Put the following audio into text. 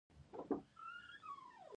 داسې یو کُلي درک شته.